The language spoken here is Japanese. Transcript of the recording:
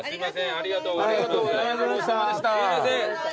ありがとうございます。